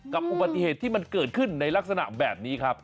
อุบัติเหตุที่มันเกิดขึ้นในลักษณะแบบนี้ครับ